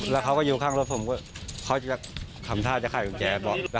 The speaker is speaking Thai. แล้วเขาก็อยู่ข้างรถผมเขาทำท่าใจเหมือนจะเป็นแก่บอก